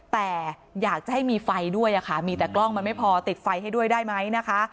แต่อยากจะให้มีไฟด้วยค่ะมีแต่กล้องมันไม่พอติดไฟให้ด้วยได้ไหมนะคะ